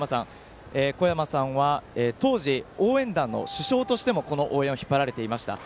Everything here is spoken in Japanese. こやまさんは当時応援団の主将としてもこの応援を引っ張られていました。